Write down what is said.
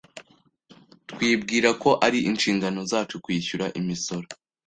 Twibwira ko ari inshingano zacu kwishyura imisoro.